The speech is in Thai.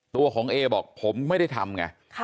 ตัวของเอบอกผมไม่ได้ทำไง